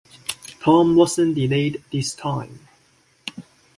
Tom wasn't delayed this time.